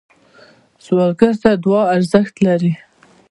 سوالګر ته دعا ارزښت لري